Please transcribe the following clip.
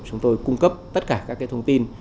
chúng tôi cung cấp tất cả các thông tin